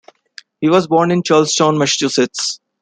He was born in Charlestown, Massachusetts.